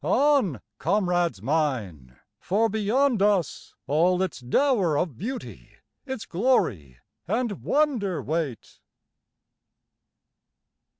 On, comrades mine, for beyond us All its dower of beauty, its glory and wonder wait.